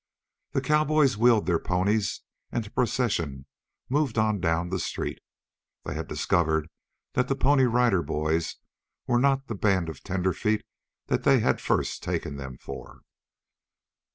The cowboys wheeled their ponies and the procession moved on down the street. They had discovered that the Pony Rider Boys were not the band of tenderfeet that they had at first taken them for.